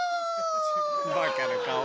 バカな顔。